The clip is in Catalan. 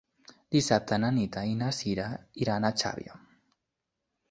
Dissabte na Nit i na Cira iran a Xàbia.